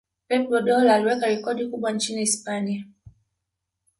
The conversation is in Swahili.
pep guardiola aliwekia rekodi kubwa nchini hispania